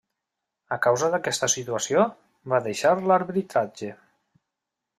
A causa d'aquesta situació, va deixar l'arbitratge.